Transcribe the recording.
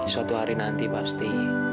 suatu hari nanti pasti